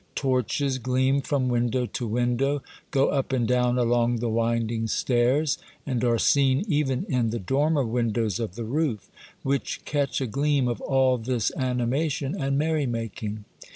Torches gleam from window to window, go up and down along the winding stairs, and are seen even in the dormer windows of the roof, which catch a gleam of all this animation and merry making.